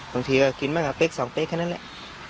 บางทีก็คือกินบ้านกว่าเกก๒เกกแค่นั้นแหละ